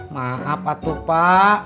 maaf pak tupa